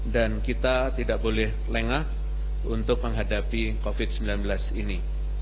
dan kita tidak boleh lengah untuk menghadapi covid sembilan belas ini